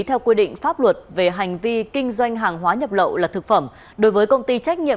theo quy định pháp luật về hành vi kinh doanh hàng hóa nhập lậu là thực phẩm đối với công ty trách nhiệm